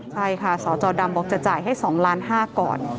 ใช่ค่ะสจดำบอกจะจ่ายให้๒ล้าน๕ก่อน